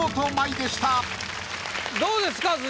どうですか？